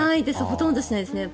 ほとんどしないです。